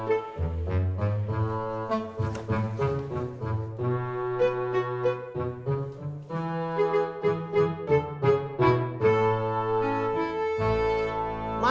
aku ada ke rumah